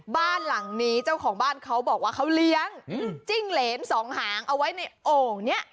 บ้านหลังนี้เจ้าของบ้านเขาบอกว่าเขาเลี้ยงจิ้งเหรนสองหางเอาไว้ในโอ่งนี้